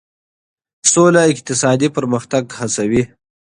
سوله اقتصادي پرمختګ هڅوي.